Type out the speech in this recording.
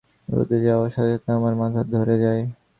রোদে যাওয়ার সাথে সাথে আমার মাথা ধরে যায়।